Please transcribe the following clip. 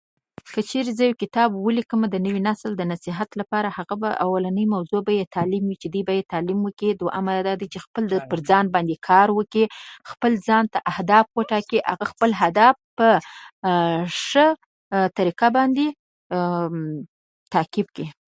د افغانستان ملي شتمني بايد پر ځای ولګول شي